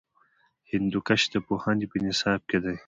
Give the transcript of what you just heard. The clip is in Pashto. هندوکش د پوهنې په نصاب کې دی.